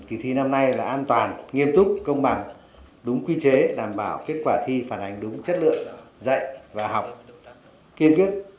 kỳ thi năm nay là an toàn nghiêm túc công bằng đúng quy chế đảm bảo kết quả thi phản ảnh đúng chất lượng dạy và học kiên quyết